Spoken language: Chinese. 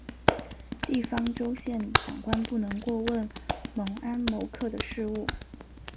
地方州县长官不能过问猛安谋克的事务。